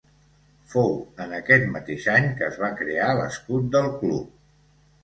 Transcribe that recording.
Fou en aquest mateix any que es va crear l'escut del Club.